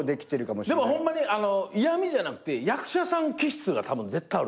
でもホンマに嫌みじゃなくて役者さん気質が絶対あると思う。